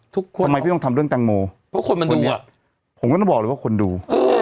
ทำไมพี่ต้องทำเรื่องแตงโมเพราะคนมันดูอ่ะผมก็ต้องบอกเลยว่าคนดู